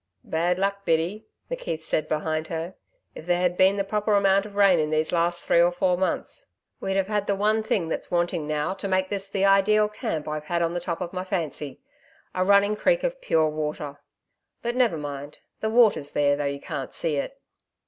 'Bad luck, Biddy,' McKeith said behind her. 'If there had been the proper amount of rain in these last three or four months, we'd have had the one thing that's wanting now to make this the ideal camp I've had on the top of my fancy a running creek of pure water. But never mind the water's there, though you can't see it....